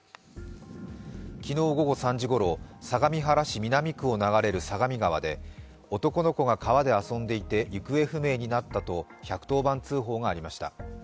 昨日午後３時午後、相模原市南区を流れる相模川で男の子が川で遊んでいて行方不明になったと１１０番通報がありました。